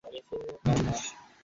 সে সরাসরি আমার কাছে আসতে পারত।